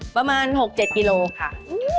ประมาณ๖๗กิโลค่ะ